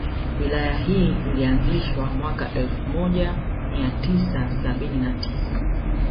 Wilaya hii ilianzishwa mwaka elfu moja mia tisa sabini na tisa